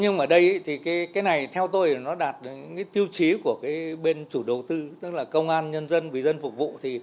nhưng ở đây theo tôi nó đạt được tiêu chí của bên chủ đầu tư tức là công an nhân dân vị dân phục vụ